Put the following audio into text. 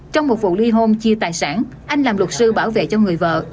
trong một vụ ly hôn chia tài sản anh làm luật sư bảo vệ cho người vợ